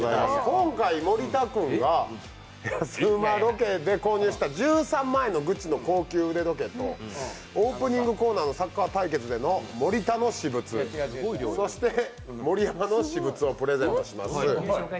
今回、森田君が安ウマロケで購入した１３万円のグッチの高級腕時計とオープニングコーナーのサッカー対決の森田の私物そして盛山の私物をプレゼントします。